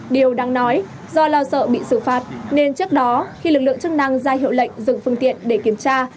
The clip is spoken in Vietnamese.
điều đáng nói do lo sợ bị xử phạt nên trước đó khi lực lượng chức năng ra hiệu lệnh dừng phương tiện để kiểm tra